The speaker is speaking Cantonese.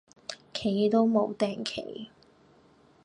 企都無碇企